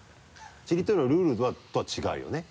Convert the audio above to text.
しりとりのルールとは違うよね。